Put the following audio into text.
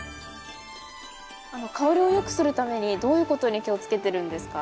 香りをよくするためにどういうことに気をつけてるんですか？